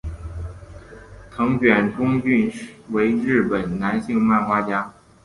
藤卷忠俊为日本的男性漫画家。